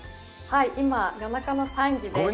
はい、今、夜中の３時です。